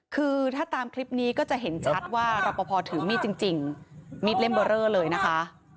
คือถ้าตามคลิปนี้ก็จะเห็นชัดว่ารอปภถือมีดจริงมีดเล่มเบอร์เรอเลยนะคะ